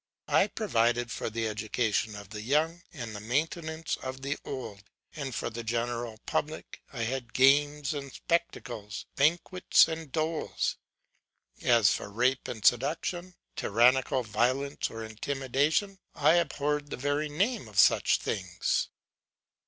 I provided for the education of the young and the maintenance of the old; and for the general public I had games and spectacles, banquets and doles. As for rape and seduction, tyrannical violence or intimidation, I abhorred the very name of such things.